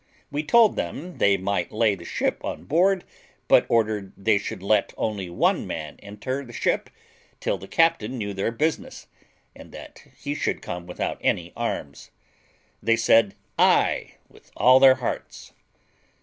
We told them they might lay the ship on board, but ordered they should let only one man enter the ship till the captain knew their business, and that he should come without any arms. They said, Ay, with all their hearts.